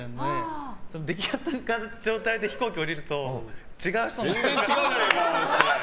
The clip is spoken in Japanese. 出来上がった状態で飛行機を降りると違う人になってる。